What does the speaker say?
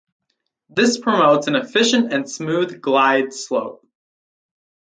This promotes an efficient and smooth glide slope.